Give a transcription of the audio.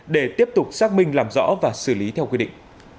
để tiếp tục xác minh làm rõ và xử lý theo quy định